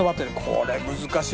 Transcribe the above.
これ難しい。